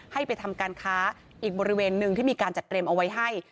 ให้ไปทำการค้าอีกบริเวณหนึ่งที่มีการจัดเตรียมเอาไว้ให้